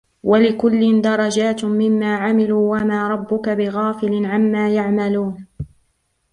وَلِكُلٍّ دَرَجَاتٌ مِمَّا عَمِلُوا وَمَا رَبُّكَ بِغَافِلٍ عَمَّا يَعْمَلُونَ